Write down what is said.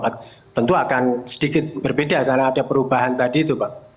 tentu akan sedikit berbeda karena ada perubahan tadi itu pak